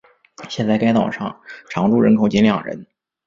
现在该岛上常住人口仅两人。